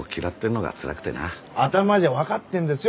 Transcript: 頭じゃわかってるんですよ